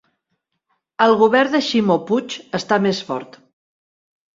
El govern de Ximo Puig està més fort